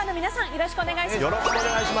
よろしくお願いします。